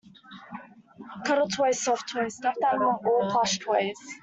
Cuddly toy, soft toy, stuffed animal are all plush toys